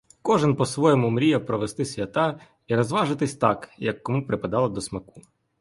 Кожен по-своєму мріяв провести свята і розважитись так, як кому припадало до смаку.